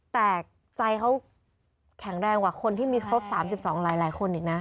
แต่ใจเขาแข็งแรงกว่าคนที่มีครบ๓๒หลายคนอีกนะ